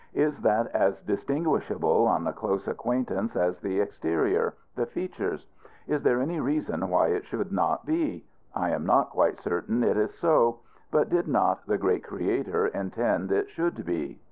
Is that as distinguishable on a close acquaintance as the exterior the features? Is there any reason why it should not be? I am not quite certain it is so; but did not the great Creator intend it should be?